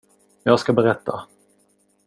Jag ska berätta.